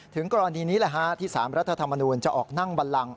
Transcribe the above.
ถึงกรณีนี้แหละฮะที่สารรัฐธรรมนูญจะออกนั่งบันลัง